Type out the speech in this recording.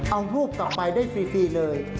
เอารูปกลับไปได้ฟรีเลย